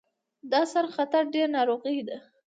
دا سره خطر ډیر ناروغۍ